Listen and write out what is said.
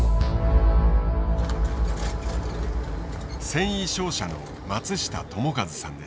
繊維商社の松下友和さんです。